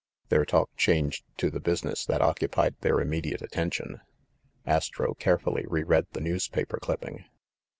Their talk changed to the business that occupied their immediate attention. Astro carefully reread the newspaper clipping.